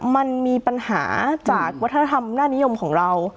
มันมีปัญหาจากวัฒนธรรมหน้านิยมของเรา